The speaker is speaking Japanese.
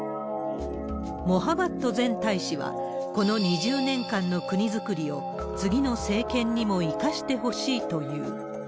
モハバット前大使は、この２０年間の国づくりを、次の政権にも生かしてほしいという。